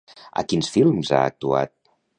A quins films ha actuat?